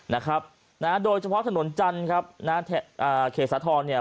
นะฮะโดยเฉพาะถนนจันทร์ครับนะอ่าเขตสาธรณ์เนี่ย